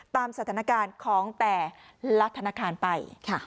ตามสถานการณ์ของแต่ละธนาคารไป